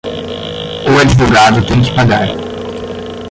O advogado tem que pagar.